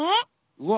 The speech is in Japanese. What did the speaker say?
うわ。